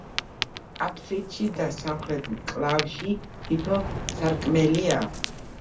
აფსიდში და სამხრეთ მკლავში თითო სარკმელია.